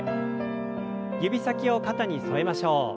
指先を肩に添えましょう。